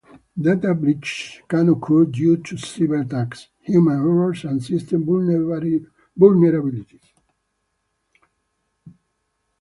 Data breaches can occur due to cyber-attacks, human errors, and system vulnerabilities.